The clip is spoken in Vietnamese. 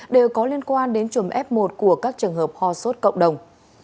đều có liên quan đến trùng f một của các trường hợp ho sốt cộng đồng